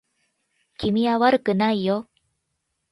君は悪くないよ